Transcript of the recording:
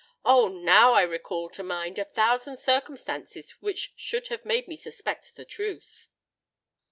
Oh! now I recall to mind a thousand circumstances which should have made me suspect the truth!"